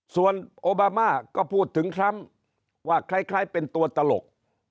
ส่วนโอบามาก็พูดถึงพร้ำว่าใครเป็นตัวตลก